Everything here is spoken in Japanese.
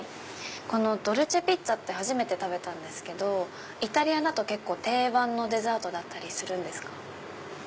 このドルチェピッツァって初めて食べたんですけどイタリアだと結構定番のデザートだったりするんですか？